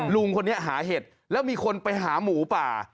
ลุงคนนี้หาเห็ดแล้วมีคนไปหาหมูป่า